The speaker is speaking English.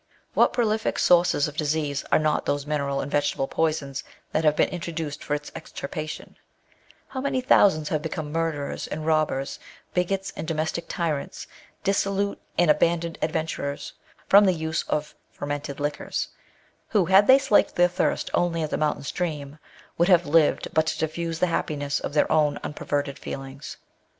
What |Âŧx)lifiG sources of disease are not those mineral and vegetable poisons that have been introduced for its extirpation 'i How many thousands have become murderers and robbers, bigots and domestic tyrants, dissolute and abandoned adventurers, from the use of fermented liquors; who had they slaked their thirst only at the mountain stream, would have lived but to diffuse the happiness of their own unperverted feelii^s.